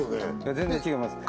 全然違いますね